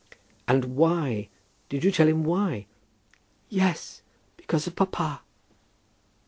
"And why; did you tell him why?" "Yes; because of papa!"